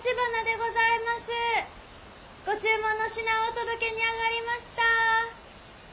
ご注文の品をお届けにあがりました。